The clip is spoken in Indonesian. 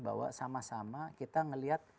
bahwa sama sama kita melihat